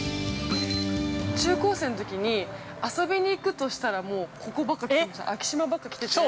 ◆中高生のときに遊びに行くとしたら、もうここばっか来てました。